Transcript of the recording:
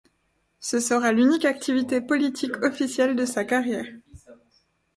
Ce sera l’unique activité politique officielle de sa carrière.